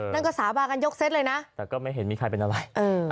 นั่นก็สาบากันยกเซ็ตเลยนะแต่ก็ไม่เห็นมีใครเป็นอะไร